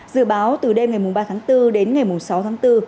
dự báo từ đêm ngày ba tháng bốn đến ngày sáu tháng bốn